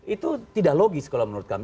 itu tidak logis kalau menurut kami